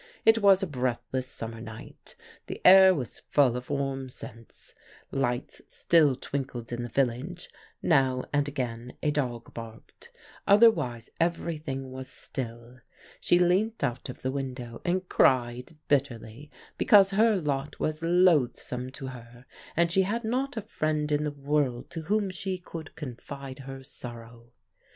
It was a breathless summer night. The air was full of warm scents. Lights still twinkled in the village; now and again a dog barked, otherwise everything was still. She leant out of the window, and cried bitterly because her lot was loathsome to her, and she had not a friend in the world to whom she could confide her sorrow.